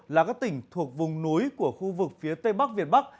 là các tỉnh thuộc vùng núi của khu vực phía tây bắc việt bắc